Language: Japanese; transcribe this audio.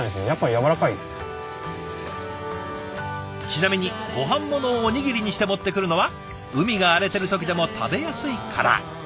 ちなみにごはんものをおにぎりにして持ってくるのは海が荒れてる時でも食べやすいから。